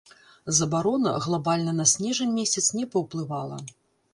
Забарона глабальна на снежань месяц не паўплывала.